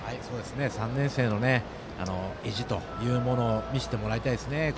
３年生の意地というものを見せてもらいたいですね